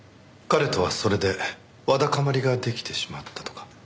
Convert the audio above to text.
彼とはそれでわだかまりが出来てしまったとか。